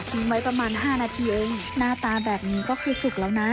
ไว้ประมาณ๕นาทีเองหน้าตาแบบนี้ก็คือสุกแล้วนะ